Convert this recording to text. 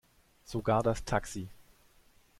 Sogar das Taxi.